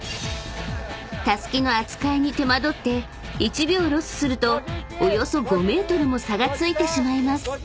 ［たすきの扱いに手間取って１秒ロスするとおよそ５ｍも差がついてしまいます］